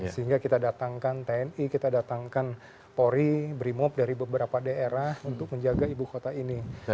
sehingga kita datangkan tni kita datangkan pori brimob dari beberapa daerah untuk menjaga ibu kota ini